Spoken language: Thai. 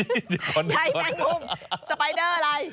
ใยแมงมุมสไปเดอร์อะไร